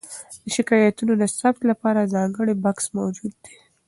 د شکایتونو د ثبت لپاره ځانګړی بکس موجود دی.